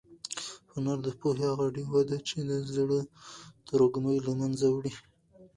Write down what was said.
هنر د پوهې هغه ډېوه ده چې د زړه تروږمۍ له منځه وړي.